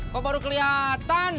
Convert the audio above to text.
kok baru kelihatan